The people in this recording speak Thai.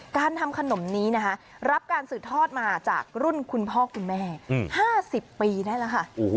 การทำขนมนี้นะคะรับการสืบทอดมาจากรุ่นคุณพ่อคุณแม่๕๐ปีได้แล้วค่ะ